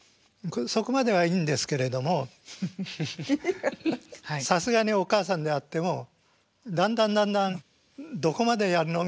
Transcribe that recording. そこまではいいんですけれどもさすがにお母さんであってもだんだんだんだんどこまでやるの？